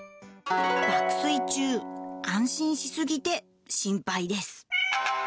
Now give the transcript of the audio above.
爆睡中、安心しすぎて心配です。